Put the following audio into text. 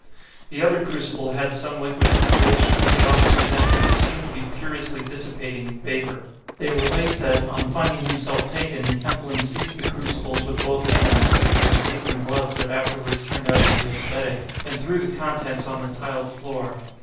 The other crucible had some liquid in it, which, as the officers entered, seemed to be furiously dissipating in vapor. They relate that, on finding himself taken, Kempelen seized the crucibles with both hands (which were encased in gloves that afterwards turned out to be asbestic), and threw the contents on the tiled floor.